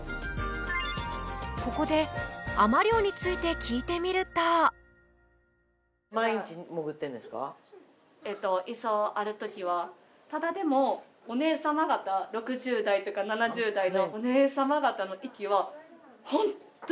ここで海女漁について聞いてみるとただでもお姉さま方６０代とか７０代の。